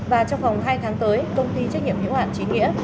và trong khoảng hai tháng tới công ty trách nhiệm nhu hạn chín nghĩa